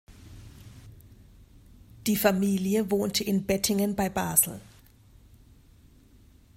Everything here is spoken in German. Die Familie wohnte in Bettingen bei Basel.